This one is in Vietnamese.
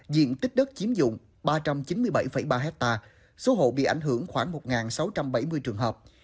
diện tích đất chiếm dụng ba trăm chín mươi bảy ba hectare số hộ bị ảnh hưởng khoảng một sáu trăm bảy mươi trường hợp